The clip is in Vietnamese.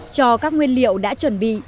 cho các nguyên liệu đã chuẩn bị